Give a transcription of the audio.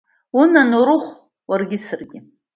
Унан, Орыхә, уаргьы саргьы!